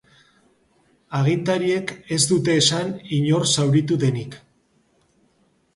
Agintariek ez dute esan inor zauritu denik.